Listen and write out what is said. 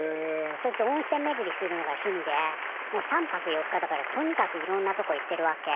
そいつ温泉めぐりするのが趣味でもう３泊４日だからとにかくいろんなとこ行ってるわけ。